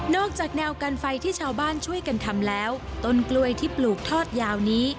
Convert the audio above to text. จากแนวกันไฟที่ชาวบ้านช่วยกันทำแล้วต้นกล้วยที่ปลูกทอดยาวนี้